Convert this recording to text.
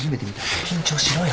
緊張しろよ。